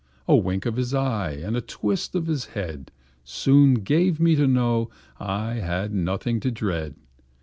A wink of his eye, and a twist of his head, Soon gave me to know I had nothing to dread.